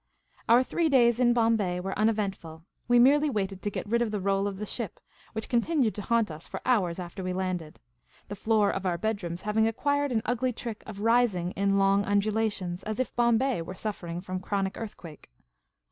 Our three days in Bombay were uneventful ; we merely waited to get rid of the roll of the ship, which continued to haunt us for hours after we landed — the floor of our bed , rooms having acquired an ugly trick of rising in long undu lations, as if Bombay were suffering from chronic earthquake.